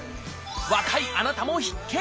若いあなたも必見！